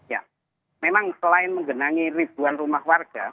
ya memang selain menggenangi ribuan rumah warga